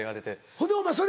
ほんでお前それ